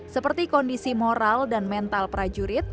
seperti kondisi moral dan mental prajurit